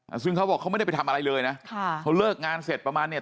ซึ่งเขาบอกเขาไม่ได้ไปทำอะไรเลยนะค่ะเขาเลิกงานเสร็จประมาณเนี้ย